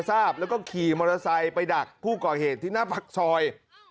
ทราบแล้วก็ขี่มอเตอร์ไซค์ไปดักผู้ก่อเหตุที่หน้าปากซอย